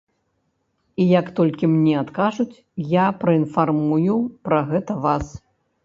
І як толькі мне адкажуць, я праінфармую пра гэта вас.